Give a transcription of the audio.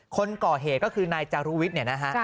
คนก่อเหตุก็คือนายจารุวิทย์